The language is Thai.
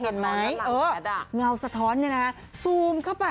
เห็นไหมเงาสะท้อนซูมเข้าไป